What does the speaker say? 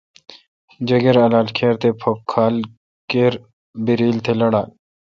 جیکر، الالکر، تھے پھپ کھال کِربرییل تہ لاڑال۔